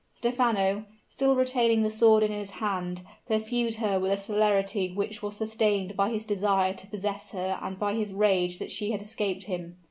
Stephano, still retaining the sword in his hand, pursued her with a celerity which was sustained by his desire to possess her and by his rage that she had escaped him.